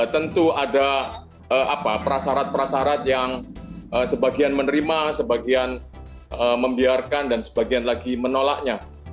tentu ada prasarat prasarat yang sebagian menerima sebagian membiarkan dan sebagian lagi menolaknya